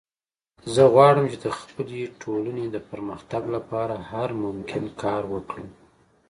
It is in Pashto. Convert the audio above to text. زه غواړم چې د خپلې ټولنې د پرمختګ لپاره هر ممکن کار وکړم